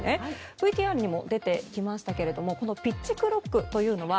ＶＴＲにもありましたがピッチクロックというのは